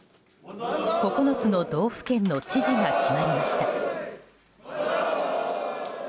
９つの道府県の知事が決まりました。